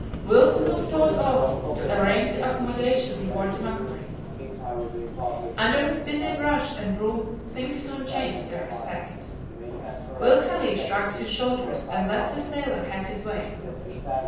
Wilson was told off to arrange the accommodation on board the MACQUARIE. Under his busy brush and broom things soon changed their aspect. Will Halley shrugged his shoulders, and let the sailor have his way.